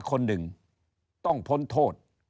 คนหนึ่งต้องพ้นโทษ